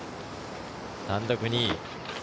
単独２位。